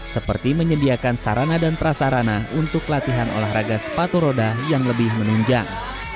seperti menyediakan sarana dan prasarana untuk latihan olahraga sepatu roda yang lebih menunjang